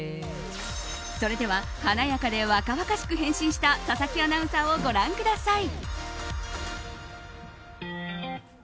それでは華やかで若々しく変身した佐々木アナウンサーをご覧ください！